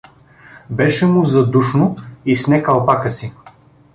Беше му задушно и сне калпака си.